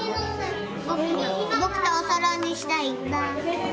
僕とおそろいにしたいんだ。